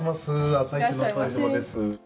「あさイチ」の副島です。